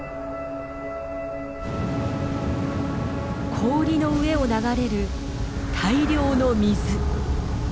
氷の上を流れる大量の水。